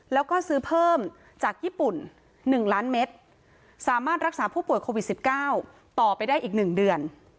แล้วก็ซื้อเพิ่มจากญี่ปุ่น๑ล้านเมตรสามารถรักษาผู้ป่วยโควิด๑๙ต่อไปได้อีก๑เดือน